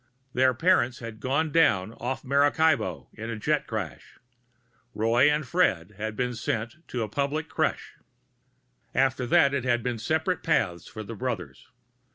Their parents had gone down off Maracaibo in a jet crash; Roy and Fred had been sent to the public crèche. After that it had been separate paths for the brothers.